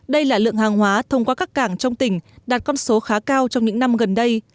đây là lượng hàng hóa thông qua các cảng trong tỉnh đạt con số khá cao trong những năm gần đây